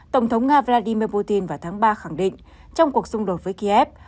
tổng thống nga vladimir putin vào tháng ba khẳng định trong cuộc xung đột với kiev